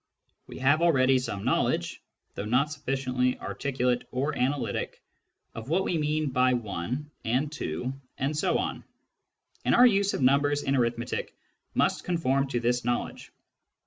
We have already some knowledge (though not sufficiently articulate or analytic) of what we mean by " 1 " and " 2 " and so on, and our use of numbers in arithmetic must conform to this knowledge.